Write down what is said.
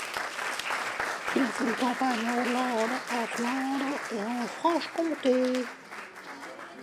Il a fait les campagnes en Hollande, en Flandre, et en Franche-Comté.